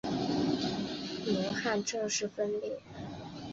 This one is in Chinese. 宁汉正式分裂。